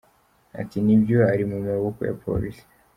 Ati “ Nibyo ari mu maboko ya Polisi.